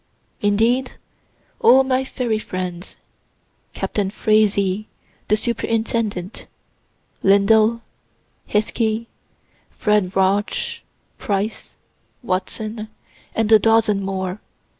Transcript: Indeed all my ferry friends captain Frazee the superintendent, Lindell, Hiskey, Fred Rauch, Price, Watson, and a dozen more.